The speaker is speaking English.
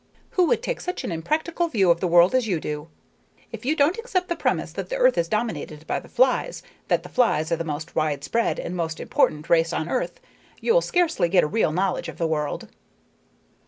Who would take such an impractical view of the world as you do? If you don't accept the premise that the earth is dominated by the flies, that the flies are the most widespread and most important race on earth, you'll scarcely get a real knowledge of the world."